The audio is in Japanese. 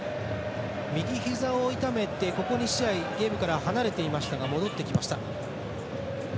右膝を痛めてここ２試合ゲームから離れていましたが戻ってきました。